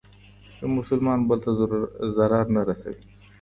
يو مسلمان بل ته ضرر نه رسوي.